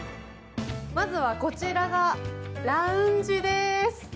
まずはこちらがラウンジです。